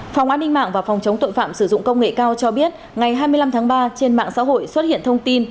phòng an ninh mạng và phòng chống tội phạm sử dụng công nghệ cao cho biết ngày hai mươi năm tháng ba trên mạng xã hội xuất hiện thông tin